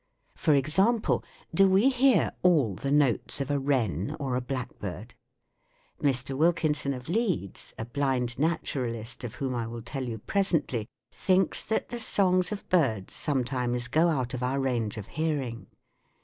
For example, do we hear all the notes of a wren or a blackbird ? Mr. Wilkinson of Leeds, a blind naturalist of whom I will tell you presently, thinks that the songs of birds sometimes go out of our range of hearing.